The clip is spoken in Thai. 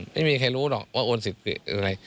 ไม่มีใครรู้หรอกว่าโอนสิทธิ์อะไร